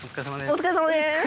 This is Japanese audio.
お疲れさまです。